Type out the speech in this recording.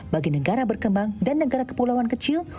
bagi negara berkembang dan negara kepulauan kecil